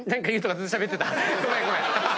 ごめんごめん。